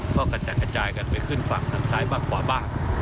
ก็กระจัดกระจายกันไปขึ้นฝั่งทางซ้ายบ้างขวาบ้าง